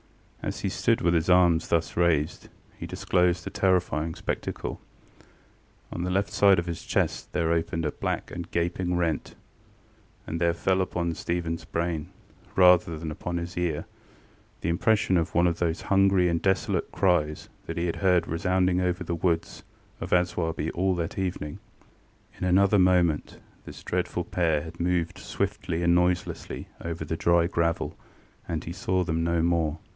As he stood with his arms thus raised, he disclosed a terrifying spectacle. On the left side of his chest there opened a black and gaping rent; and there fell upon StephenŌĆÖs brain, rather than upon his ear, the impression of one of those hungry and desolate cries that he had heard resounding over the woods of Aswarby all that evening. In another moment this dreadful pair had moved swiftly and noiselessly over the dry gravel, and he saw them no more.